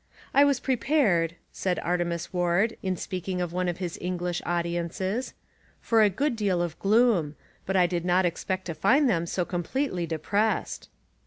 "I was prepared," said Artemus Ward in speaking of 129 Essays and Literary Studies one of his English audiences, "for a good deal of gloom, but I did not expect to find them so completely depressed."